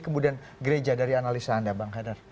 kemudian gereja dari analisa anda bang hadar